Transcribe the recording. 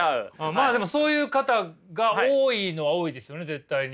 まあでもそういう方が多いのは多いですよね絶対に。